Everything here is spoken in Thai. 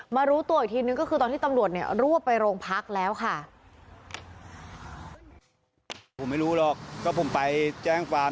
รู้ตัวอีกทีนึงก็คือตอนที่ตำรวจเนี่ยรวบไปโรงพักแล้วค่ะ